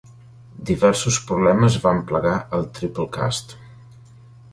Diversos problemes van plagar el Triplecast.